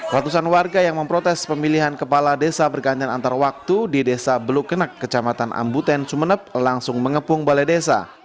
ratusan warga yang memprotes pemilihan kepala desa bergantian antar waktu di desa belukenek kecamatan ambuten sumeneb langsung mengepung balai desa